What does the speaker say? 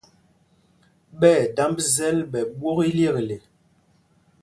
Ɓɛ̂ damb zɛl ɓɛ ɓwok iyekle.